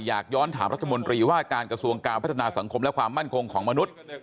อยากย้อนถามรัฐมนตรีว่าการกระทรวงการพัฒนาสังคมและความมั่นคงของมนุษย์